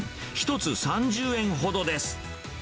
１つ３０円ほどです。